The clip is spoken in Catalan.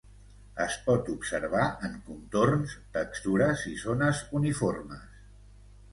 Es pot observar en contorns, textures i zones uniformes.